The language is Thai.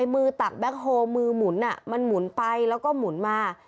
มือตักแบ็คโฮลมือหมุนมันหมุนไปแล้วก็หมุนมา